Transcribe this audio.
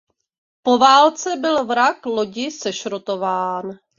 Po válce byl vrak lodi sešrotován.